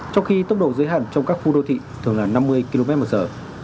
trong khi tốc độ giới hạn trong các khu đô thị thường là năm mươi km một giờ